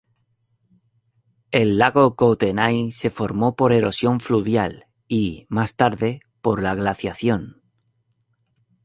El lago Kootenay se formó por erosión fluvial y, más tarde, por la glaciación.